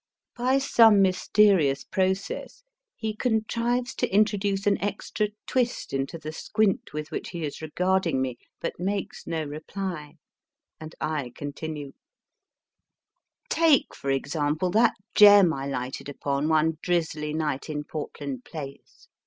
By some mysterious process he contrives to introduce an extra twist into the squint with which he is regarding me, but makes no reply, and I continue : Take, for example, that gem I lighted upon one drizzly night in Portland Place.